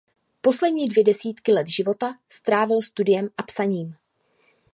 Poslední dvě desítky let života strávil studiem a psaním.